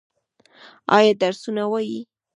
ایا درسونه وايي؟